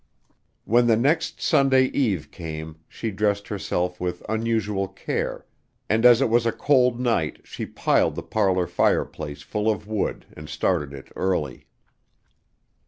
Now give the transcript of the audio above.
When the next Sunday eve came she dressed herself with unusual care, and as it was a cold night she piled the parlor fireplace full of wood and started it early.